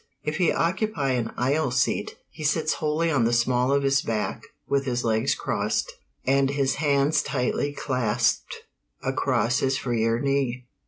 If he occupy an aisle seat, he sits wholly on the small of his back, with his legs crossed, and his hands tightly clasped across his freer knee.